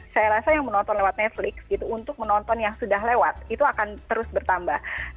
saya rasa yang menonton lewat netflix gitu untuk menonton yang sudah lewat itu akan terus bertambah